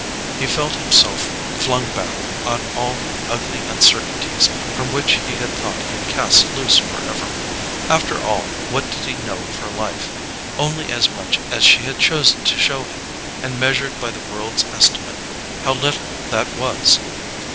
He felt himself flung back on all the ugly uncertainties from which he thought he had cast loose forever. After all, what did he know of her life? Only as much as she had chosen to show him, and measured by the world's estimate, how little that was!